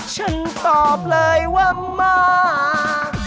ฉันตอบเลยว่ามาก